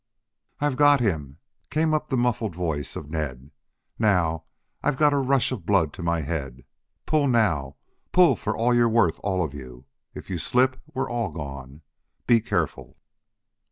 "I've got him," came up the muffled voice of Ned. "But I've got a rush of blood to the head. Pull now! Pull for all you're worth, all of you. If you slip we're all gone. Be careful."